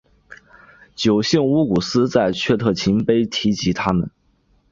九姓乌古斯在阙特勤碑提及他们。